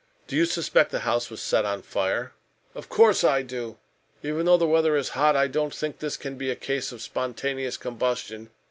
"Do you suspect the house was set on fire?" "Of course I do. Even though the weather is hot, I don't think this can be a case of spontaneous combustion.